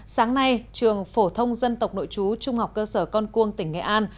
sáng nay trường phổ thông dân tộc nội chú trung học cơ sở con cuông tỉnh nghệ an